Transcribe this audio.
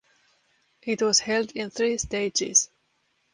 It was held in three stages.